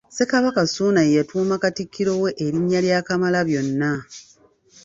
Ssekabaka Ssuuna ye yatuuma Katikkiro we erinnya lya Kamalabyonna.